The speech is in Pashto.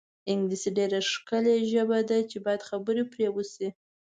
انګلیسي ډېره ښکلې ژبه ده چې باید پرې خبرې وشي.